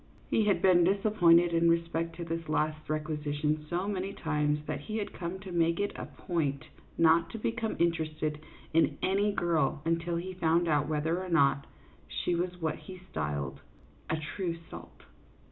He had been disappointed in respect to this last requisition so many times that he had come to make it a point not to become interested in any girl until he found out whether or not she was what he styled 36 CLYDE MOOR FIELD, YACHTSMAN. " a true salt."